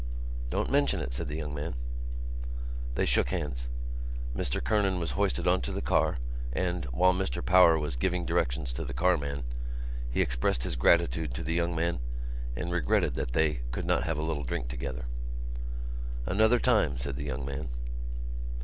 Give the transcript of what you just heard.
"Don't mention it," said the young man. They shook hands. Mr Kernan was hoisted on to the car and, while Mr Power was giving directions to the carman, he expressed his gratitude to the young man and regretted that they could not have a little drink together. "Another time," said the young man.